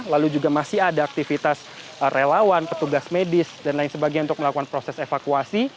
lalu juga masih ada aktivitas relawan petugas medis dan lain sebagainya untuk melakukan proses evakuasi